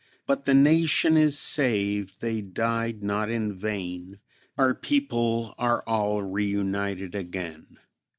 But the Nation is saved! They died not in vain; Our people are all reunited again.